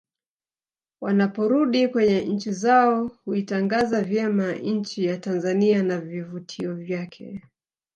Wanaporudi kwenye nchi zao huitangaza vyema nchi ya Tanzania na vivutio vyake